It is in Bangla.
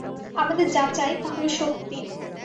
আমাদের যা চাই তা হল শক্তি।